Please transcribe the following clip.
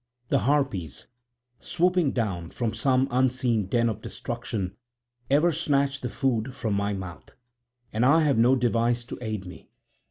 The Harpies, swooping down from some unseen den of destruction, ever snatch the food from my mouth. And I have no device to aid me.